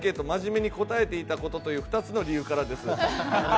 真面目に答えていたことという２つの理由です。